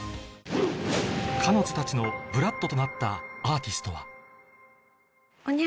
彼女たちのＢＬＯＯＤとなったアーティストは？